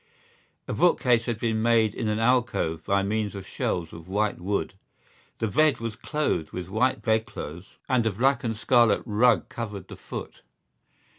A bookcase had been made in an alcove by means of shelves of white wood. The bed was clothed with white bedclothes and a black and scarlet rug covered the foot.